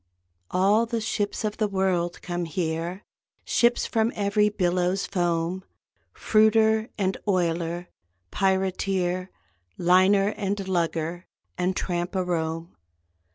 All the ships of the world come here, Ships from every billow's foam; Fruiter and oiler, pirateer, Liner and lugger and tramp a roam.